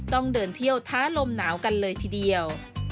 ต้องเดินเที่ยวท้าลมหนาวกันเลยทีเดียว